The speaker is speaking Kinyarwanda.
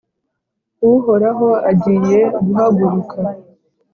Uhoraho agiye guhaguruka,